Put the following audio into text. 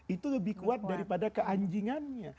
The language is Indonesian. itu lebih kuat daripada keanjingannya